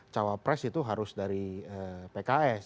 cawa pres itu harus dari pks